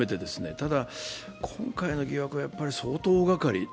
ただ、今回の疑惑は相当大がかり。